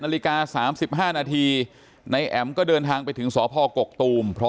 ไม่มีไม่มีไม่มีไม่มีไม่มีไม่มี